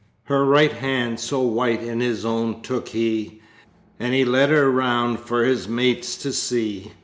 Her right hand so white in his own took he, And he led her round for his mates to see!